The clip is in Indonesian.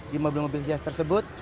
di mobil mobil hias tersebut